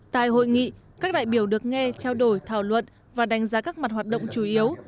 tại hội nghị các đại biểu được nghe trao đổi thảo luận và đánh giá các mặt hoạt động chủ yếu